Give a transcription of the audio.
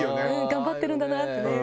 頑張ってるんだなってね。